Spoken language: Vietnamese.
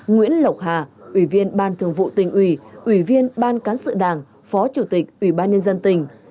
nguyễn lộc hà ủy viên ban thường vụ tỉnh ủy ủy viên ban cán sự đảng phó chủ tịch ủy ban nhân dân tỉnh